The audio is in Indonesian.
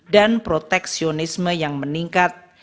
dan proteksionisme yang meningkat